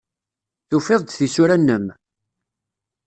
Tufiḍ-d tisura-nnem?